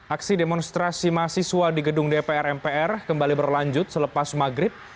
aksi demonstrasi mahasiswa di gedung dpr mpr kembali berlanjut selepas maghrib